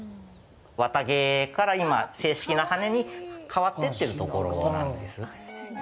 綿毛から、今、正式な羽に変わってってるところなんです。